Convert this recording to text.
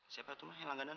siapa itu mah yang langganan